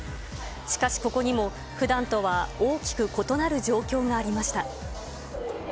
しかし、ここにもふだんとは大きく異なる状況がありました。